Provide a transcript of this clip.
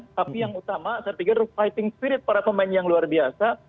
tapi yang utama saya pikir fighting spirit para pemain yang luar biasa